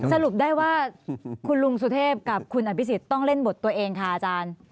ก็ถูกได้ว่าคุณลุงสุทธิพย์กับคุณอบิสิทธิ์ต้องเล่นบทตัวเองค่ะอาจารย์